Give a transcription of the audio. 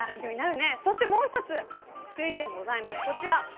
そしてもう一つ注意点があります。